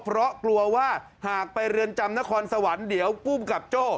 เพราะกลัวว่าหากไปเรือนจำนครสวรรค์เดี๋ยวภูมิกับโจ้